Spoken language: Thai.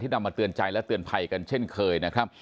นำมาเตือนใจและเตือนภัยกันเช่นเคยนะครับ